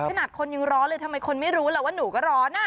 ขนาดคนยังร้อนเลยทำไมคนไม่รู้ล่ะว่าหนูก็ร้อน